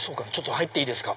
入っていいですか？